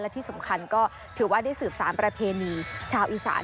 ที่สำคัญก็ถือว่าได้สืบสารประเพณีชาวอีสาน